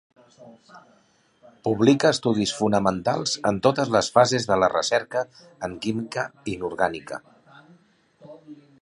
Publica estudis fonamentals en totes les fases de la recerca en química inorgànica.